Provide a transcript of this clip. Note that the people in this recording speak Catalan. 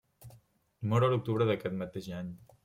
Mor a l'octubre d'aquest mateix any.